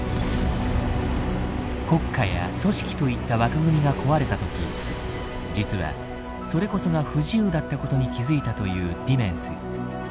国家や組織といった枠組みが壊れた時実はそれこそが不自由だったことに気付いたというディメンス。